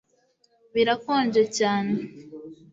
Birakonje cyane